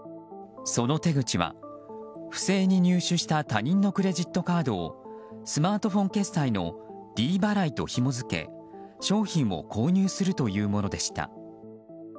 その手口は、不正に入手した他人のクレジットカードをスマートフォン決済のｄ払いとひも付け商品を購入するというものでした。